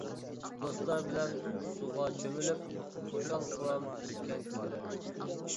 دوستلار بىلەن سۇغا چۆمۈلۈپ، خۇشال-خۇرام ئۆتكەن كۈنلەرنى.